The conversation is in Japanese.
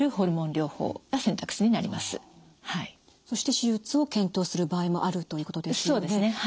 そして手術を検討する場合もあるということですよね。